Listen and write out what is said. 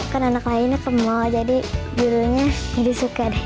kan anak lainnya ke mall jadi judulnya jadi suka deh